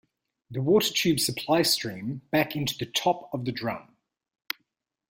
The watertubes supply steam back into the top of the drum.